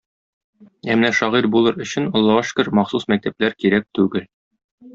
Ә менә шагыйрь булыр өчен, Аллага шөкер, махсус мәктәпләр кирәк түгел...